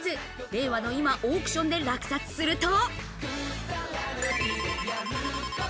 令和の今、オークションで落札すると。